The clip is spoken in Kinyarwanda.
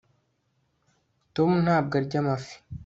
tom ntabwo arya amafi